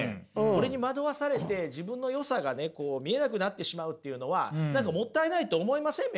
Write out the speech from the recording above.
これに惑わされて自分のよさが見えなくなってしまうっていうのは何かもったいないと思いません？